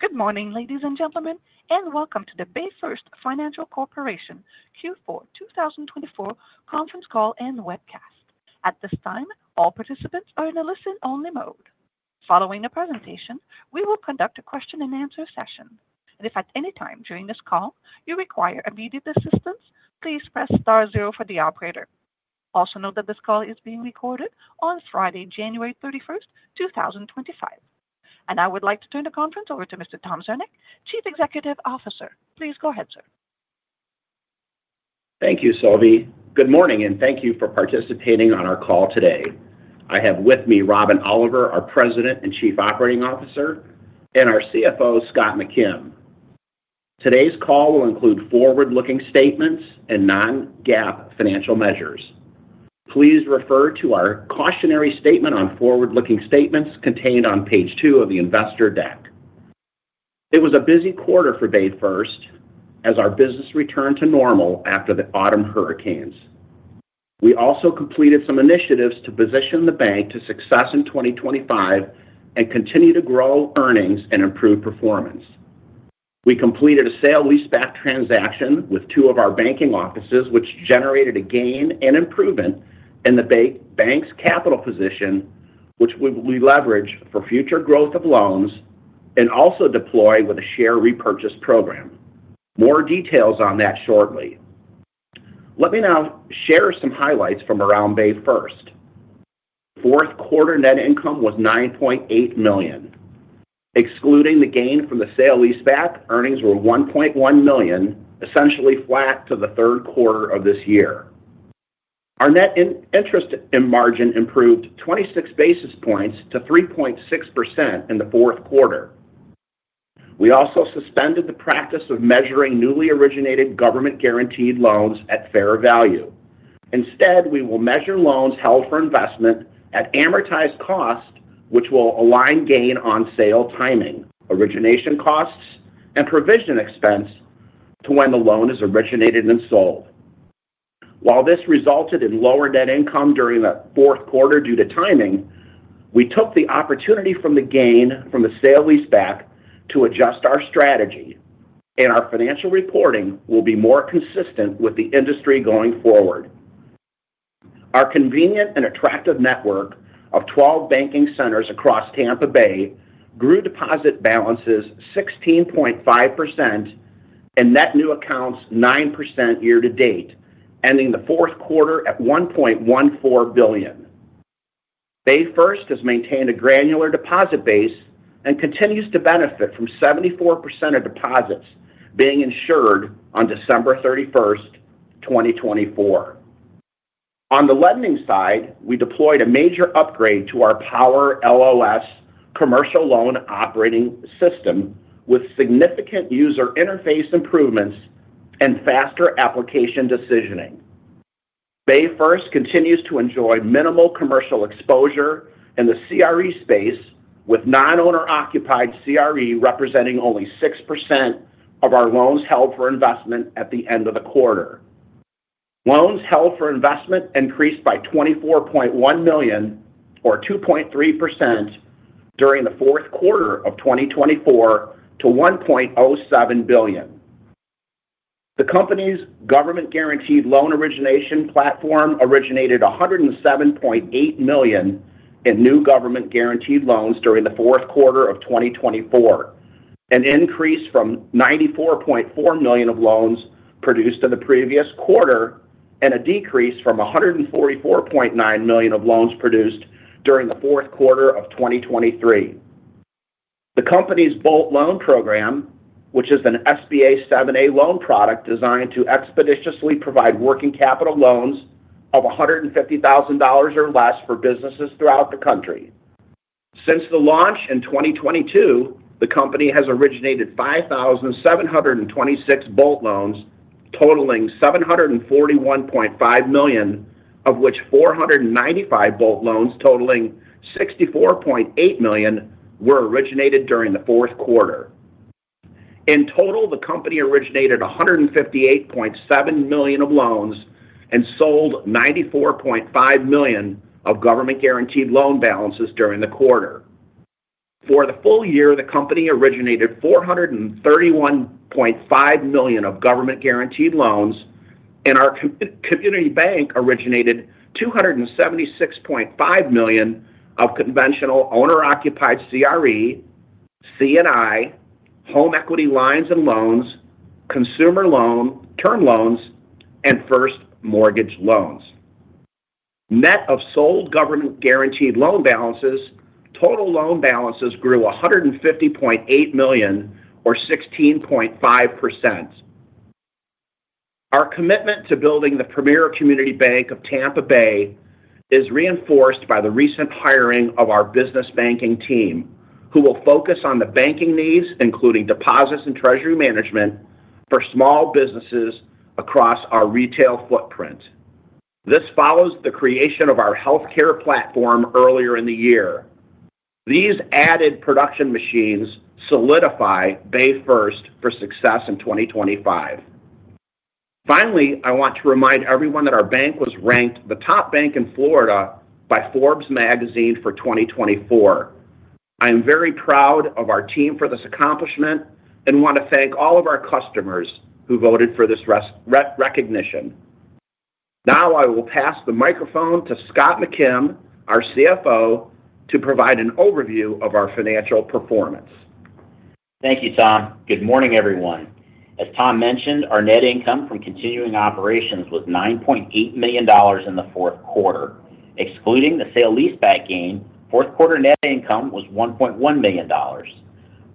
Good morning, ladies and gentlemen, and welcome to the BayFirst Financial Corporation Q4 2024 conference call and webcast. At this time, all participants are in a listen-only mode. Following the presentation, we will conduct a question-and-answer session. If at any time during this call you require immediate assistance, please press star zero for the operator. Also note that this call is being recorded on Friday, January 31st, 2025. And I would like to turn the conference over to Mr. Tom Zernick, Chief Executive Officer. Please go ahead, sir. Thank you, Sylvie. Good morning, and thank you for participating on our call today. I have with me Robin Oliver, our President and Chief Operating Officer, and our CFO, Scott McKim. Today's call will include forward-looking statements and non-GAAP financial measures. Please refer to our cautionary statement on forward-looking statements contained on page two of the investor deck. It was a busy quarter for BayFirst as our business returned to normal after the autumn hurricanes. We also completed some initiatives to position the bank to success in 2025 and continue to grow earnings and improve performance. We completed a sale-leaseback transaction with two of our banking offices, which generated a gain and improvement in the bank's capital position, which we leverage for future growth of loans and also deploy with a share repurchase program. More details on that shortly. Let me now share some highlights from around BayFirst. Fourth quarter net income was $9.8 million. Excluding the gain from the sale-leaseback, earnings were $1.1 million, essentially flat to the third quarter of this year. Our net interest margin improved 26 basis points to 3.6% in the fourth quarter. We also suspended the practice of measuring newly originated government-guaranteed loans at fair value. Instead, we will measure loans held for investment at amortized cost, which will align gain on sale timing, origination costs, and provision expense to when the loan is originated and sold. While this resulted in lower net income during the fourth quarter due to timing, we took the opportunity from the gain from the sale-leaseback to adjust our strategy, and our financial reporting will be more consistent with the industry going forward. Our convenient and attractive network of 12 banking centers across Tampa Bay grew deposit balances 16.5% and net new accounts 9% year-to-date, ending the fourth quarter at $1.14 billion. BayFirst has maintained a granular deposit base and continues to benefit from 74% of deposits being insured on December 31st, 2024. On the lending side, we deployed a major upgrade to our Power LOS commercial loan operating system with significant user interface improvements and faster application decisioning. BayFirst continues to enjoy minimal commercial exposure in the CRE space, with non-owner-occupied CRE representing only 6% of our loans held for investment at the end of the quarter. Loans held for investment increased by $24.1 million, or 2.3%, during the fourth quarter of 2024 to $1.07 billion. The company's government-guaranteed loan origination platform originated $107.8 million in new government-guaranteed loans during the fourth quarter of 2024, an increase from $94.4 million of loans produced in the previous quarter and a decrease from $144.9 million of loans produced during the fourth quarter of 2023. The company's Bolt Loan Program, which is an SBA 7(a) loan product designed to expeditiously provide working capital loans of $150,000 or less for businesses throughout the country. Since the launch in 2022, the company has originated 5,726 Bolt loans, totaling $741.5 million, of which 495 Bolt loans, totaling $64.8 million, were originated during the fourth quarter. In total, the company originated $158.7 million of loans and sold $94.5 million of government-guaranteed loan balances during the quarter. For the full year, the company originated $431.5 million of government-guaranteed loans, and our community bank originated $276.5 million of conventional owner-occupied CRE, C&I, home equity lines and loans, consumer loan, term loans, and first mortgage loans. Net of sold government-guaranteed loan balances, total loan balances grew $150.8 million, or 16.5%. Our commitment to building the premier community bank of Tampa Bay is reinforced by the recent hiring of our business banking team, who will focus on the banking needs, including deposits and treasury management for small businesses across our retail footprint. This follows the creation of our healthcare platform earlier in the year. These added production machines solidify BayFirst for success in 2025. Finally, I want to remind everyone that our bank was ranked the top bank in Florida by Forbes Magazine for 2024. I am very proud of our team for this accomplishment and want to thank all of our customers who voted for this recognition. Now I will pass the microphone to Scott McKim, our CFO, to provide an overview of our financial performance. Thank you, Tom. Good morning, everyone. As Tom mentioned, our net income from continuing operations was $9.8 million in the fourth quarter. Excluding the sale-leaseback gain, fourth quarter net income was $1.1 million.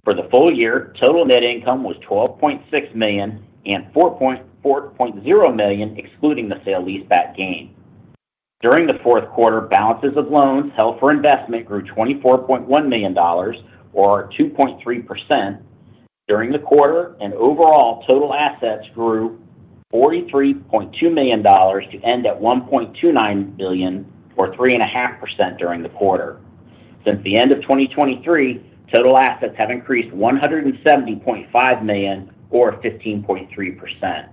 For the full year, total net income was $12.6 million and $4.0 million, excluding the sale-leaseback gain. During the fourth quarter, balances of loans held for investment grew $24.1 million, or 2.3%, during the quarter, and overall total assets grew $43.2 million to end at $1.29 billion, or 3.5%, during the quarter. Since the end of 2023, total assets have increased $170.5 million, or 15.3%.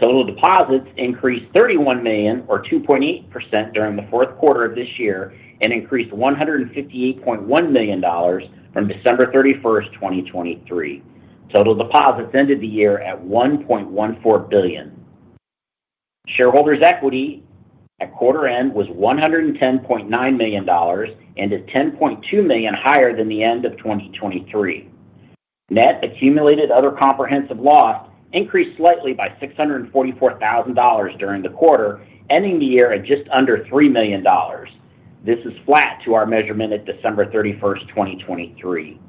Total deposits increased $31 million, or 2.8%, during the fourth quarter of this year and increased $158.1 million from December 31st, 2023. Total deposits ended the year at $1.14 billion. Shareholders' equity at quarter end was $110.9 million, ended $10.2 million higher than the end of 2023. Net accumulated other comprehensive loss increased slightly by $644,000 during the quarter, ending the year at just under $3 million. This is flat to our measurement at December 31st, 2023.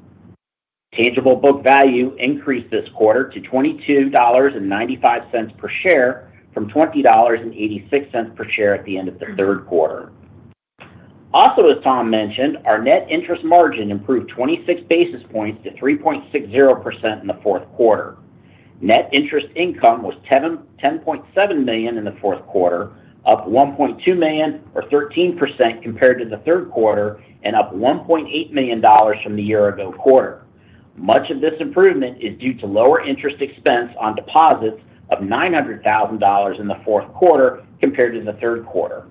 Tangible book value increased this quarter to $22.95 per share from $20.86 per share at the end of the third quarter. Also, as Tom mentioned, our net interest margin improved 26 basis points to 3.60% in the fourth quarter. Net interest income was $10.7 million in the fourth quarter, up $1.2 million, or 13%, compared to the third quarter, and up $1.8 million from the year-ago quarter. Much of this improvement is due to lower interest expense on deposits of $900,000 in the fourth quarter compared to the third quarter.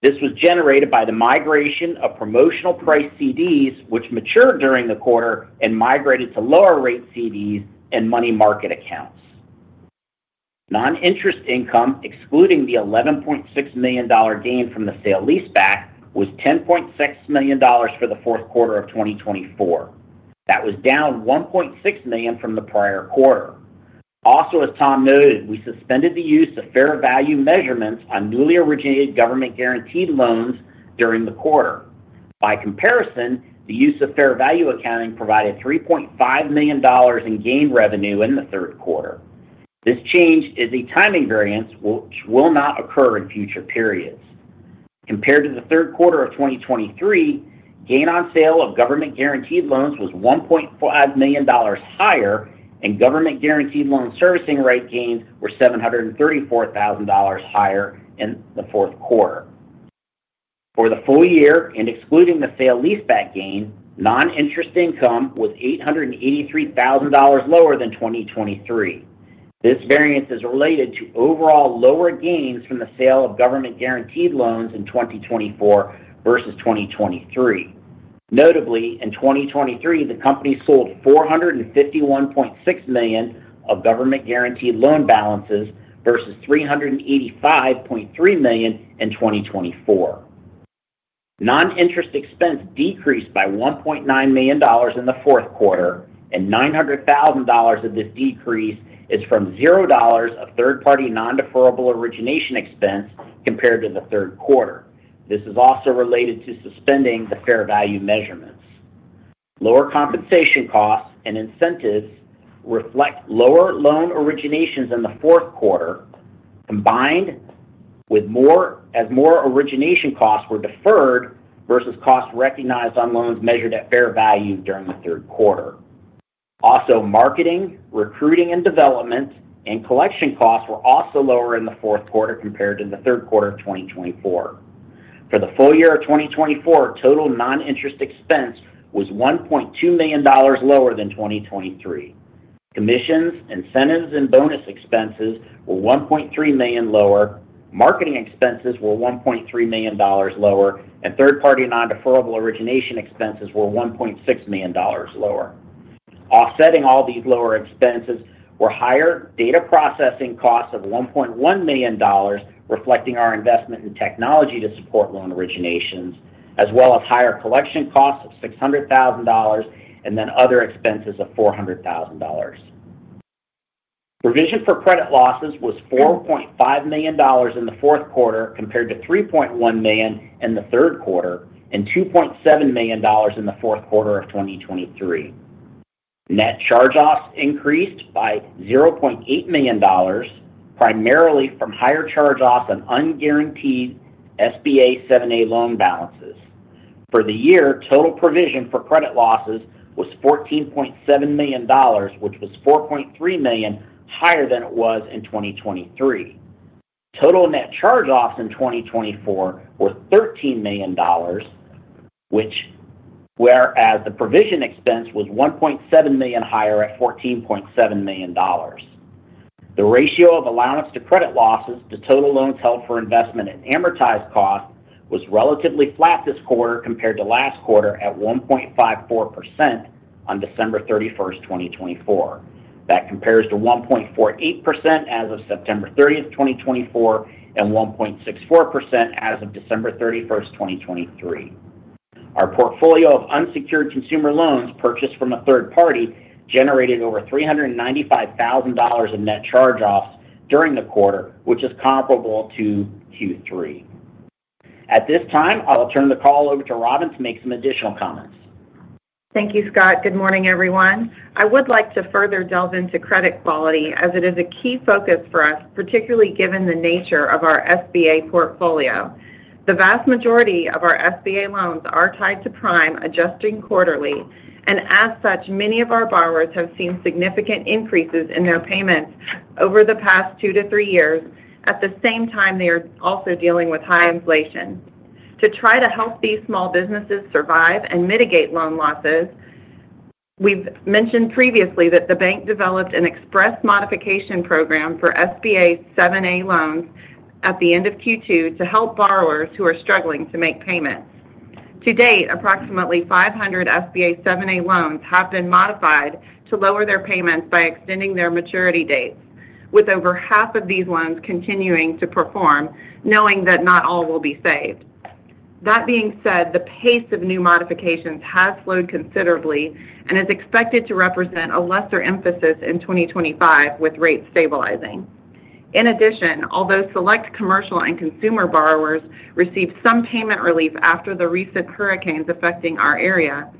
This was generated by the migration of promotional price CDs, which matured during the quarter and migrated to lower-rate CDs and money market accounts. Non-interest income, excluding the $11.6 million gain from the sale-leaseback, was $10.6 million for the fourth quarter of 2024. That was down $1.6 million from the prior quarter. Also, as Tom noted, we suspended the use of fair value measurements on newly originated government-guaranteed loans during the quarter. By comparison, the use of fair value accounting provided $3.5 million in gain revenue in the third quarter. This change is a timing variance which will not occur in future periods. Compared to the third quarter of 2023, gain on sale of government-guaranteed loans was $1.5 million higher, and government-guaranteed loan servicing rate gains were $734,000 higher in the fourth quarter. For the full year, and excluding the sale-leaseback gain, non-interest income was $883,000 lower than 2023. This variance is related to overall lower gains from the sale of government-guaranteed loans in 2024 versus 2023. Notably, in 2023, the company sold $451.6 million of government-guaranteed loan balances versus $385.3 million in 2024. Non-interest expense decreased by $1.9 million in the fourth quarter, and $900,000 of this decrease is from $0 of third-party non-deferrable origination expense compared to the third quarter. This is also related to suspending the fair value measurements. Lower compensation costs and incentives reflect lower loan originations in the fourth quarter, combined with more, as more origination costs were deferred versus costs recognized on loans measured at fair value during the third quarter. Also, marketing, recruiting, and development and collection costs were also lower in the fourth quarter compared to the third quarter of 2024. For the full year of 2024, total non-interest expense was $1.2 million lower than 2023. Commissions, incentives, and bonus expenses were $1.3 million lower, marketing expenses were $1.3 million lower, and third-party non-deferrable origination expenses were $1.6 million lower. Offsetting all these lower expenses were higher data processing costs of $1.1 million, reflecting our investment in technology to support loan originations, as well as higher collection costs of $600,000 and then other expenses of $400,000. Provision for credit losses was $4.5 million in the fourth quarter compared to $3.1 million in the third quarter and $2.7 million in the fourth quarter of 2023. Net charge-offs increased by $0.8 million, primarily from higher charge-offs on unguaranteed SBA 7(a) loan balances. For the year, total provision for credit losses was $14.7 million, which was $4.3 million higher than it was in 2023. Total net charge-offs in 2024 were $13 million, whereas the provision expense was $1.7 million higher at $14.7 million. The ratio of allowance for credit losses to total loans held for investment at amortized cost was relatively flat this quarter compared to last quarter at 1.54% on December 31st, 2024. That compares to 1.48% as of September 30th, 2024, and 1.64% as of December 31st, 2023. Our portfolio of unsecured consumer loans purchased from a third party generated over $395,000 in net charge-offs during the quarter, which is comparable to Q3. At this time, I'll turn the call over to Robin to make some additional comments. Thank you, Scott. Good morning, everyone. I would like to further delve into credit quality, as it is a key focus for us, particularly given the nature of our SBA portfolio. The vast majority of our SBA loans are tied to prime, adjusting quarterly, and as such, many of our borrowers have seen significant increases in their payments over the past two to three years. At the same time, they are also dealing with high inflation. To try to help these small businesses survive and mitigate loan losses, we've mentioned previously that the bank developed an express modification program for SBA 7(a) loans at the end of Q2 to help borrowers who are struggling to make payments. To date, approximately 500 SBA 7(a) loans have been modified to lower their payments by extending their maturity dates, with over half of these loans continuing to perform, knowing that not all will be saved. That being said, the pace of new modifications has slowed considerably and is expected to represent a lesser emphasis in 2025 with rates stabilizing. In addition, although select commercial and consumer borrowers received some payment relief after the recent hurricanes affecting our area,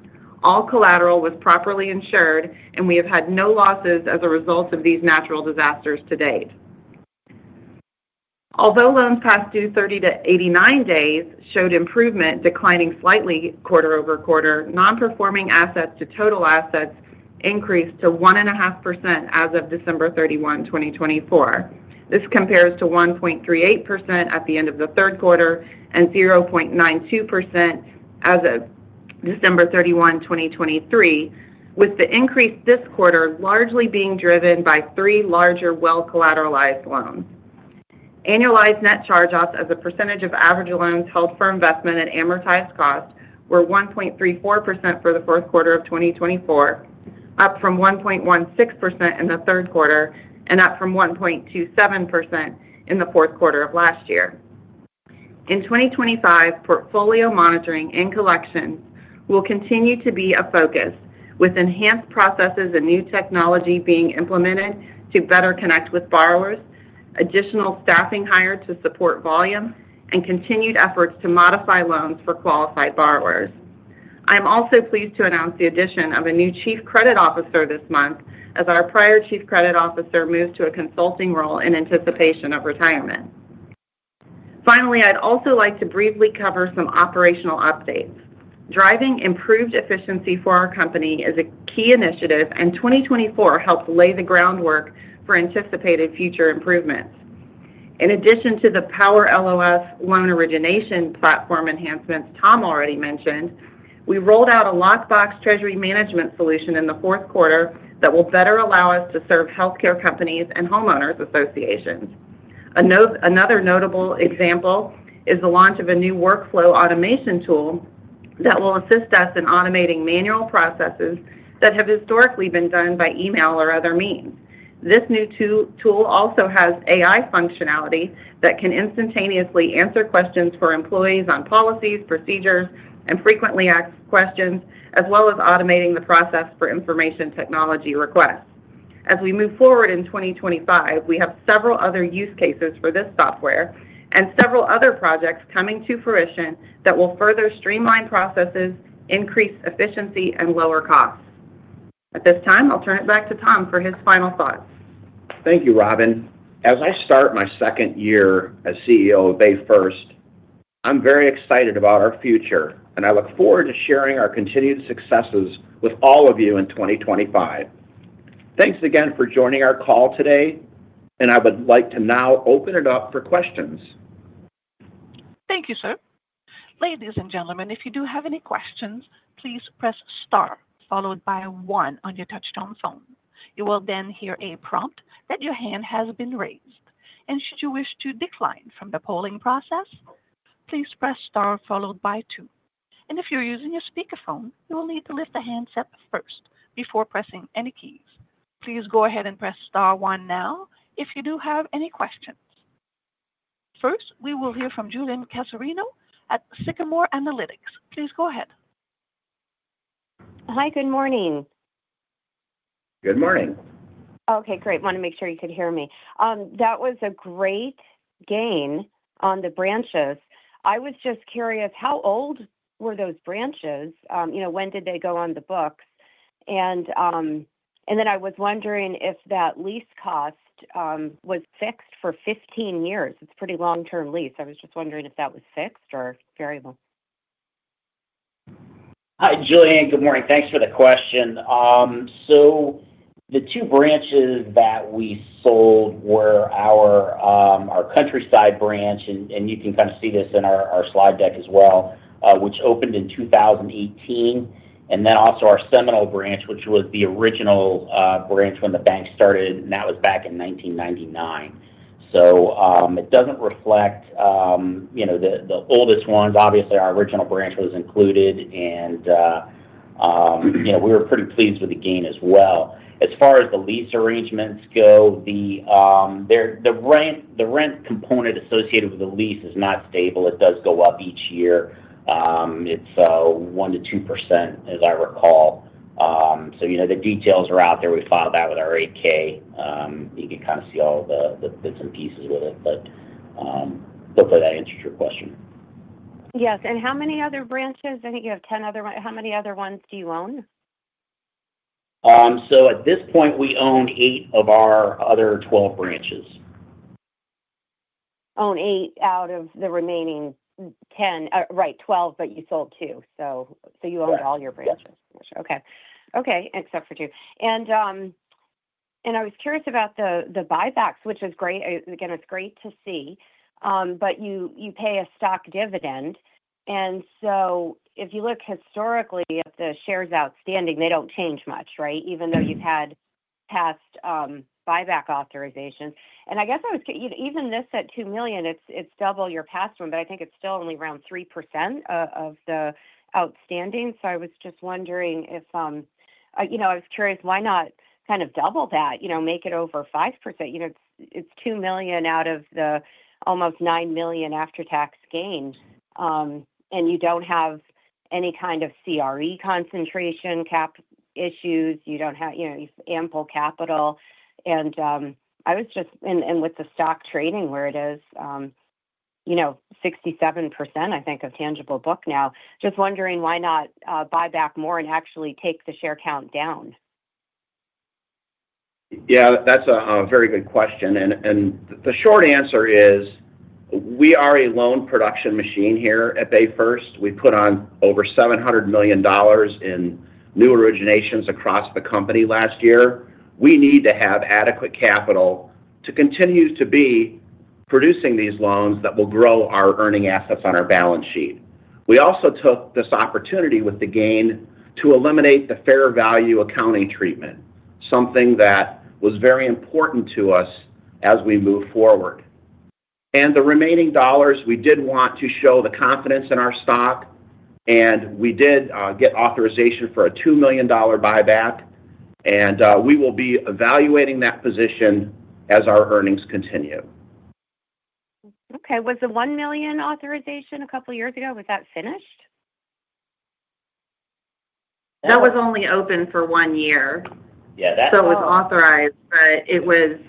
all collateral was properly insured, and we have had no losses as a result of these natural disasters to date. Although loans past due 30-89 days showed improvement, declining slightly quarter over quarter, non-performing assets to total assets increased to 1.5% as of December 31, 2024. This compares to 1.38% at the end of the third quarter and 0.92% as of December 31, 2023, with the increase this quarter largely being driven by three larger well-collateralized loans. Annualized net charge-offs as a percentage of average loans held for investment and amortized costs were 1.34% for the fourth quarter of 2024, up from 1.16% in the third quarter and up from 1.27% in the fourth quarter of last year. In 2025, portfolio monitoring and collections will continue to be a focus, with enhanced processes and new technology being implemented to better connect with borrowers, additional staffing hired to support volume, and continued efforts to modify loans for qualified borrowers. I am also pleased to announce the addition of a new chief credit officer this month, as our prior chief credit officer moved to a consulting role in anticipation of retirement. Finally, I'd also like to briefly cover some operational updates. Driving improved efficiency for our company is a key initiative, and 2024 helped lay the groundwork for anticipated future improvements. In addition to the Power LOS loan origination platform enhancements Tom already mentioned, we rolled out a lockbox treasury management solution in the fourth quarter that will better allow us to serve healthcare companies and homeowners associations. Another notable example is the launch of a new workflow automation tool that will assist us in automating manual processes that have historically been done by email or other means. This new tool also has AI functionality that can instantaneously answer questions for employees on policies, procedures, and frequently asked questions, as well as automating the process for information technology requests. As we move forward in 2025, we have several other use cases for this software and several other projects coming to fruition that will further streamline processes, increase efficiency, and lower costs. At this time, I'll turn it back to Tom for his final thoughts. Thank you, Robin. As I start my second year as CEO of BayFirst, I'm very excited about our future, and I look forward to sharing our continued successes with all of you in 2025. Thanks again for joining our call today, and I would like to now open it up for questions. Thank you, sir. Ladies and gentlemen, if you do have any questions, please press star followed by one on your touch-tone phone. You will then hear a prompt that your hand has been raised. And should you wish to decline from the polling process, please press star followed by two. And if you're using your speakerphone, you will need to lift the handset up first before pressing any keys. Please go ahead and press star one now if you do have any questions. First, we will hear from Julienne Cassarino at Sycamore Analytics. Please go ahead. Hi, good morning. Good morning. Okay, great. I wanted to make sure you could hear me. That was a great gain on the branches. I was just curious, how old were those branches? When did they go on the books? And then I was wondering if that lease cost was fixed for 15 years. It's a pretty long-term lease. I was just wondering if that was fixed or variable. Hi, Julienne. Good morning. Thanks for the question. So the two branches that we sold were our Countryside branch, and you can kind of see this in our slide deck as well, which opened in 2018, and then also our Seminole branch, which was the original branch when the bank started, and that was back in 1999. So it doesn't reflect the oldest ones. Obviously, our original branch was included, and we were pretty pleased with the gain as well. As far as the lease arrangements go, the rent component associated with the lease is not stable. It does go up each year. It's 1%-2%, as I recall. So the details are out there. We filed that with our 8-K. You can kind of see all the bits and pieces with it, but hopefully that answers your question. Yes. And how many other branches? I think you have 10 other ones. How many other ones do you own? So at this point, we own eight of our other 12 branches. Own eight out of the remaining 10. Right, 12, but you sold two. So you owned all your branches. Yes. Gotcha. Okay. Okay, except for two. And I was curious about the buybacks, which is great. Again, it's great to see, but you pay a stock dividend. And so if you look historically at the shares outstanding, they don't change much, right, even though you've had past buyback authorizations. And I guess even at 2 million, it's double your past one, but I think it's still only around 3% of the outstanding. So I was just wondering, why not kind of double that, make it over 5%? It's 2 million out of the almost 9 million after-tax gains, and you don't have any kind of CRE concentration cap issues. You don't have ample capital. And with the stock trading where it is, 67%, I think, of tangible book now. Just wondering why not buy back more and actually take the share count down? Yeah, that's a very good question, and the short answer is we are a loan production machine here at BayFirst. We put on over $700 million in new originations across the company last year. We need to have adequate capital to continue to be producing these loans that will grow our earning assets on our balance sheet. We also took this opportunity with the gain to eliminate the fair value accounting treatment, something that was very important to us as we move forward, and the remaining dollars, we did want to show the confidence in our stock, and we did get authorization for a $2 million buyback, and we will be evaluating that position as our earnings continue. Okay. Was the one million authorization a couple of years ago? Was that finished? That was only open for one year. Yeah, that's right. So it was authorized, but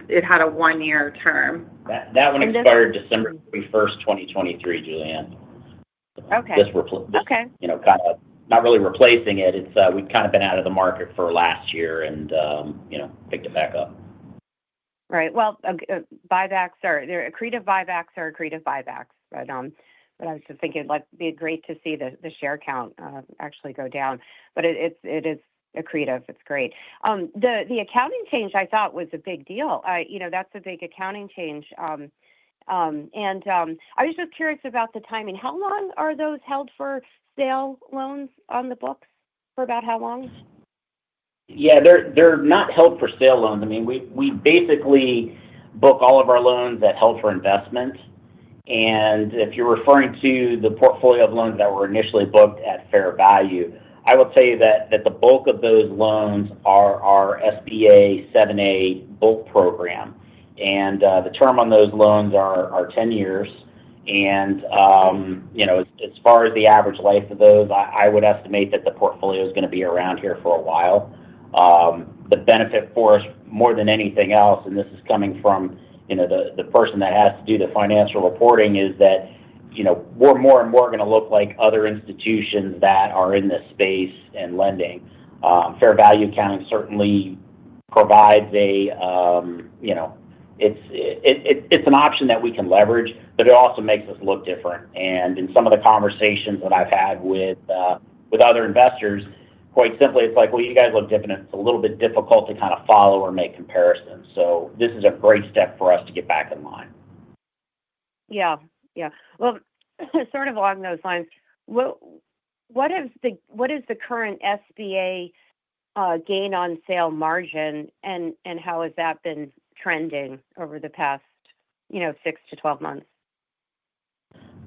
it had a one-year term. That one expired December 31st, 2023, Julienne. Okay. This kind of not really replacing it. We've kind of been out of the market for last year and picked it back up. Right. Buybacks are accretive, but I was just thinking it'd be great to see the share count actually go down. It is accretive. It's great. The accounting change, I thought, was a big deal. That's a big accounting change. I was just curious about the timing. How long are those held for sale loans on the books? For about how long? Yeah, they're not held for sale loans. I mean, we basically book all of our loans that held for investment, and if you're referring to the portfolio of loans that were initially booked at fair value, I will tell you that the bulk of those loans are our SBA 7(a) Bolt program, and the term on those loans are 10 years, and as far as the average life of those, I would estimate that the portfolio is going to be around here for a while. The benefit for us, more than anything else, and this is coming from the person that has to do the financial reporting, is that we're more and more going to look like other institutions that are in this space and lending. Fair value accounting certainly provides. It's an option that we can leverage, but it also makes us look different. And in some of the conversations that I've had with other investors, quite simply, it's like, "Well, you guys look different." It's a little bit difficult to kind of follow or make comparisons. So this is a great step for us to get back in line. Sort of along those lines, what is the current SBA gain on sale margin, and how has that been trending over the past six to 12 months?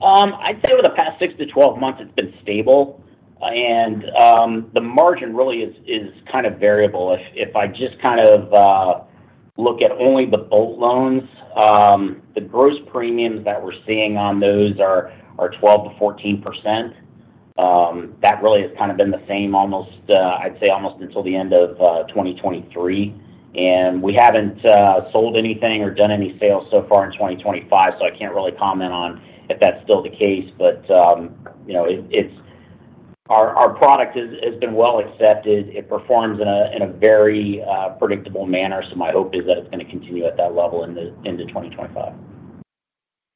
I'd say over the past six to 12 months, it's been stable. And the margin really is kind of variable. If I just kind of look at only the bulk loans, the gross premiums that we're seeing on those are 12%-14%. That really has kind of been the same, I'd say, almost until the end of 2023. And we haven't sold anything or done any sales so far in 2025, so I can't really comment on if that's still the case. But our product has been well accepted. It performs in a very predictable manner, so my hope is that it's going to continue at that level into 2025.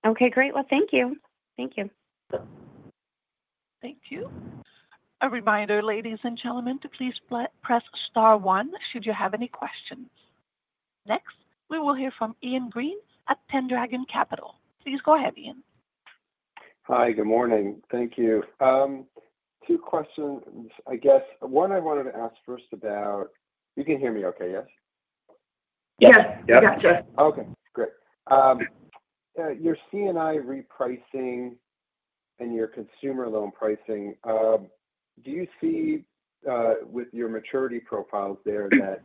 Okay, great. Well, thank you. Thank you. Thank you. A reminder, ladies and gentlemen, to please press star one should you have any questions. Next, we will hear from Ian Green at Pendragon Capital. Please go ahead, Ian. Hi, Good morning. Thank you. Two questions, I guess. One I wanted to ask first about. You can hear me okay? Yes? Yes. Yes. Yes. Yes. Okay, great. Your C&I repricing and your consumer loan pricing, do you see with your maturity profiles there that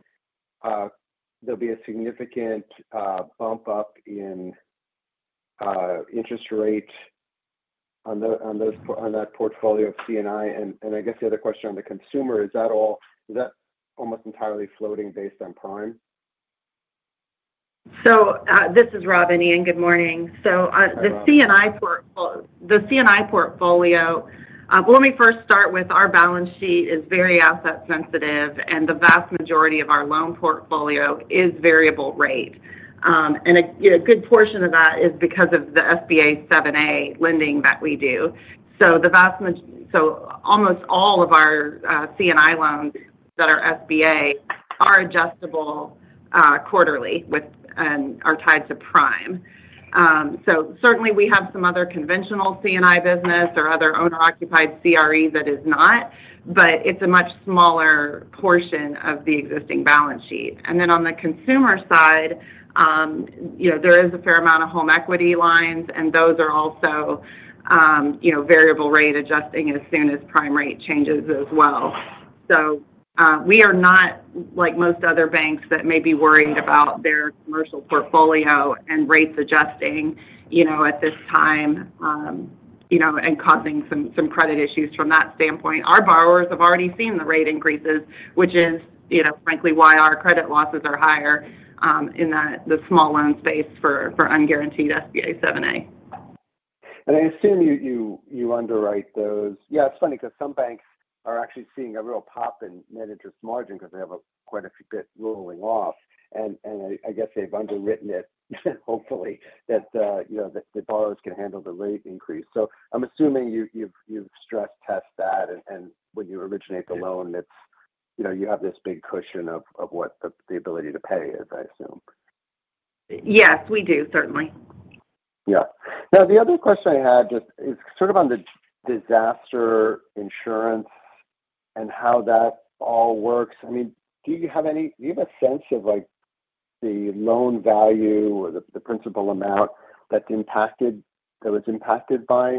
there'll be a significant bump up in interest rate on that portfolio of C&I? And I guess the other question on the consumer, is that almost entirely floating based on prime? This is Robin, Ian. Good morning. The C&I portfolio, let me first start with our balance sheet is very asset-sensitive, and the vast majority of our loan portfolio is variable rate. A good portion of that is because of the SBA 7(a) lending that we do. Almost all of our C&I loans that are SBA are adjustable quarterly and are tied to prime. Certainly, we have some other conventional C&I business or other owner-occupied CRE that is not, but it's a much smaller portion of the existing balance sheet. Then on the consumer side, there is a fair amount of home equity lines, and those are also variable rate, adjusting as soon as prime rate changes as well. So we are not like most other banks that may be worried about their commercial portfolio and rates adjusting at this time and causing some credit issues from that standpoint. Our borrowers have already seen the rate increases, which is, frankly, why our credit losses are higher in the small loan space for unguaranteed SBA 7(a). And I assume you underwrite those. Yeah, it's funny because some banks are actually seeing a real pop in net interest margin because they have quite a few debt rolling off. And I guess they've underwritten it, hopefully, that the borrowers can handle the rate increase. So I'm assuming you've stress-tested that, and when you originate the loan, you have this big cushion of what the ability to pay is, I assume. Yes, we do, certainly. Yeah. Now, the other question I had just is sort of on the disaster insurance and how that all works. I mean, do you have a sense of the loan value or the principal amount that was impacted by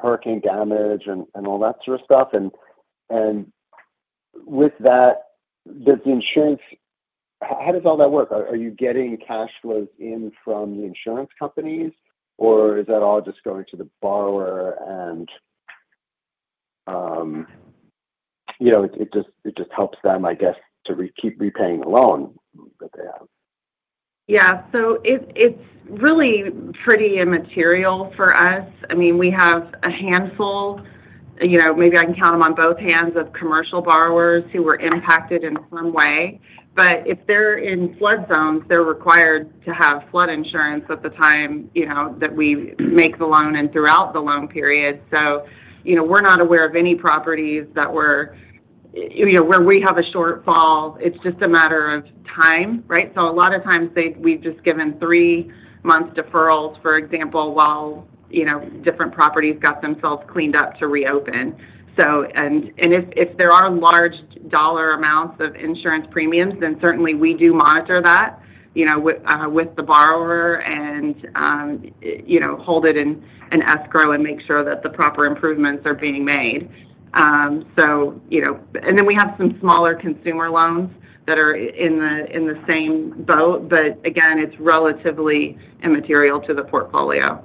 hurricane damage and all that sort of stuff? And with that, does the insurance, how does all that work? Are you getting cash flows in from the insurance companies, or is that all just going to the borrower? And it just helps them, I guess, to keep repaying the loan that they have. Yeah. So it's really pretty immaterial for us. I mean, we have a handful, maybe I can count them on both hands, of commercial borrowers who were impacted in some way. But if they're in flood zones, they're required to have flood insurance at the time that we make the loan and throughout the loan period. So we're not aware of any properties that were where we have a shortfall. It's just a matter of time, right? So a lot of times, we've just given three-month deferrals, for example, while different properties got themselves cleaned up to reopen. And if there are large dollar amounts of insurance premiums, then certainly, we do monitor that with the borrower and hold it in escrow and make sure that the proper improvements are being made. And then we have some smaller consumer loans that are in the same boat, but again, it's relatively immaterial to the portfolio.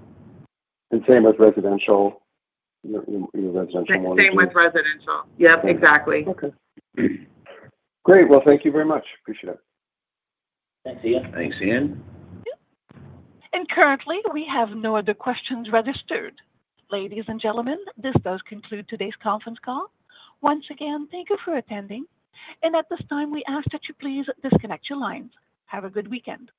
Same with residential? Your residential mortgage? Same with residential. Yep, exactly. Okay. Great. Well, thank you very much. Appreciate it. Thanks, Ian. Thanks, Ian. And currently, we have no other questions registered. Ladies and gentlemen, this does conclude today's conference call. Once again, thank you for attending. And at this time, we ask that you please disconnect your lines. Have a good weekend.